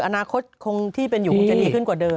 อนาคตที่เป็นอยู่มันจะมีดีละ